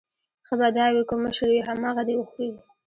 ښه به دا وي کوم مشر وي همغه دې وخوري.